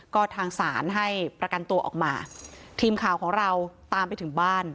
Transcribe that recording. ก็ทางศาลให้ประกันตัวออกมาทีมข่าวของเราตามไปถึงบ้าน